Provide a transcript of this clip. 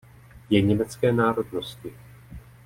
Je německé národnosti.